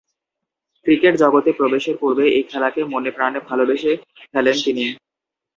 Cricket জগতে প্রবেশের পূর্বে এ খেলাকে মনে-প্রাণে ভালোবেসে ফেলেন তিনি।